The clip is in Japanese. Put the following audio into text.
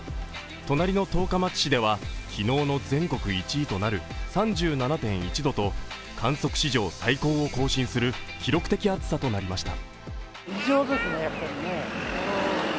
隣の十日町市では昨日の全国１位となる３７．１度と、観測史上最高を更新する記録的暑さとなりました。